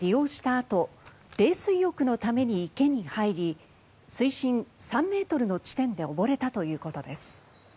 あと冷水浴のために池に入り水深３ｍの地点で溺れたということです。